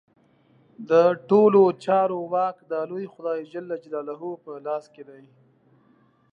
د ټولو چارو واک د لوی خدای جل جلاله په لاس کې دی.